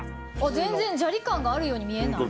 全然ジャリ感があるように見えない。